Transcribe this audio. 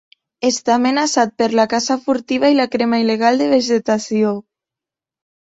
Està amenaçat per la caça furtiva i la crema il·legal de vegetació.